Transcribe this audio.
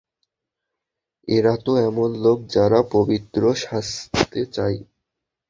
এরা তো এমন লোক যারা পবিত্র সাজতে চায়।